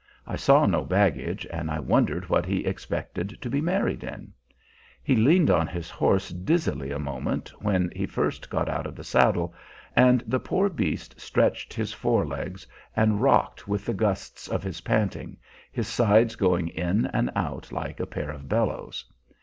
I saw no baggage, and I wondered what he expected to be married in. He leaned on his horse dizzily a moment when he first got out of the saddle, and the poor beast stretched his fore legs, and rocked with the gusts of his panting, his sides going in and out like a pair of bellows.